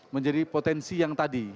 menjadi potensi yang tadi